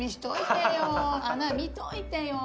穴見といてよ。